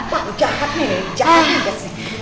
wah jahat nih jahat juga sih